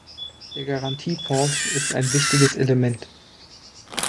Der Garantiefonds ist ein wichtiges Element.